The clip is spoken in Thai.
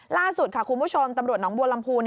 ล่าสุดค่ะคุณผู้ชมตำรวจน้องบัวลำพู